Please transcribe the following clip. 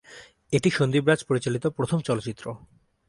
এটি সন্দীপ রাজ পরিচালিত প্রথম চলচ্চিত্র।